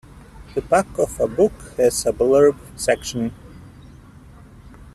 The back of a book has a blurb section.